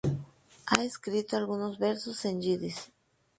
Ha escrito algunos versos en yidis.